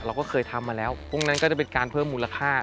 เราก็เคยทำมาแล้วพวกนั้นก็จะเป็นการเพิ่มมูลค่า